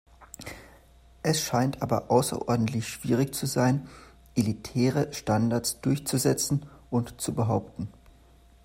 Es scheint aber außerordentlich schwierig zu sein, elitäre Standards durchzusetzen und zu behaupten.